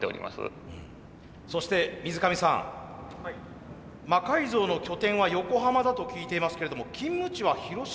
そして水上さん魔改造の拠点は横浜だと聞いていますけれども勤務地は広島？